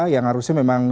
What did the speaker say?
yang harusnya memang